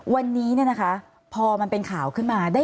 วันนี้เนี่ยนะคะพอมันเป็นข่าวขึ้นมา